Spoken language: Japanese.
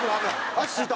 足ついた？